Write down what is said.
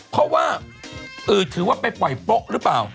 เพราะว่าถือว่าไปปล่อยโป๊ะหรือเปล่า